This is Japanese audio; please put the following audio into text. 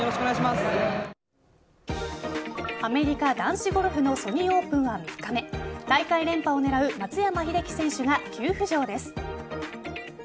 アメリカ男子ゴルフのソニー・オープンは３日目大会連覇を狙う松山英樹選手が急浮上です。